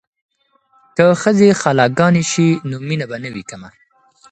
که ښځې خاله ګانې شي نو مینه به نه وي کمه.